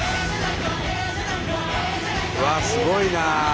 うわっすごいな。